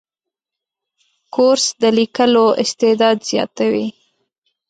کورس د لیکلو استعداد زیاتوي.